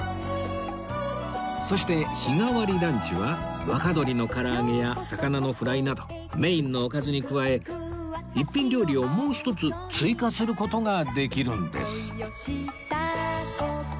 そして日替わりランチは若鶏の唐揚げや魚のフライなどメインのおかずに加え一品料理をもう一つ追加する事ができるんです